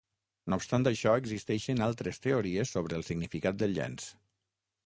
No obstant això, existeixen altres teories sobre el significat del llenç.